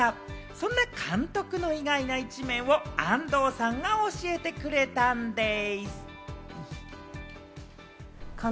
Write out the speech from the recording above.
そんな監督の意外な一面を安藤さんが教えてくれたんでぃす！